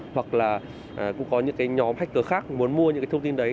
hoặc là cũng có những nhóm hacker khác muốn mua những thông tin đấy